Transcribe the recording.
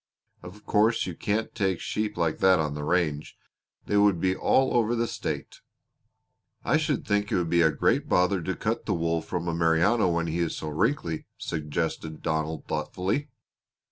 Of course you can't take sheep like that on the range. They would be all over the state." "I should think it would be a great bother to cut the wool from a Merino when he is so wrinkly," suggested Donald thoughtfully.